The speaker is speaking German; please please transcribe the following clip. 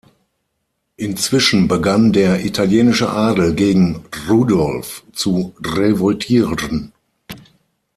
Inzwischen begann der italienische Adel gegen Rudolf zu revoltieren.